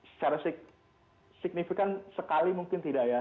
secara signifikan sekali mungkin tidak ya